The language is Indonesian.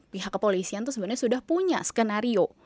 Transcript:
pihak kepolisian tuh sebenernya sudah punya skenario